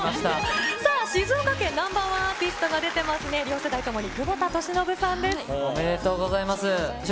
さあ、静岡県Ｎｏ．１アーティストが出てますね、両世代ともに久保田利おめでとうございます。